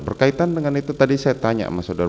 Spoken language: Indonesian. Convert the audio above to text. berkaitan dengan itu tadi saya tanya sama saudara